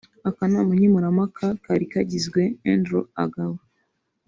Akanama nkemurampaka kari kagizwe Andrew Agaba